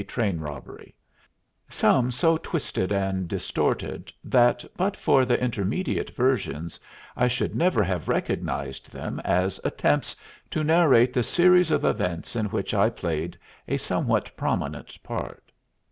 train robbery," some so twisted and distorted that but for the intermediate versions I should never have recognized them as attempts to narrate the series of events in which I played a somewhat prominent part.